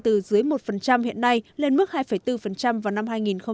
từ dưới một hiện nay lên mức hai bốn vào năm hai nghìn một mươi tám